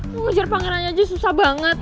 mau ngujar pangeran aja susah banget